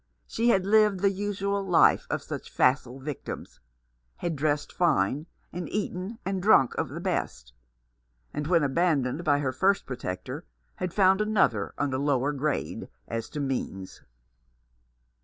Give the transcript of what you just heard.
She had lived the usual life of such facile victims ; had dressed fine and eaten and drunk of the best, and when abandoned by her first protector, had found another on a lower grade as to means.